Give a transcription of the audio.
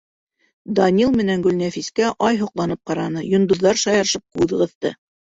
Данил менән Гөлнәфискә ай һоҡланып ҡараны, йондоҙҙар шаярышып күҙ ҡыҫты.